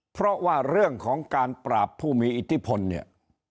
เพราะว่าเรื่องของการปราบผู้มีอิทธิพลเนี่ย